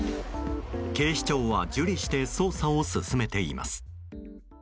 警視庁は受理して捜査を進めています。